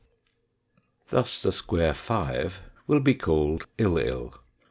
Thus the square 5 will be called" Ilil."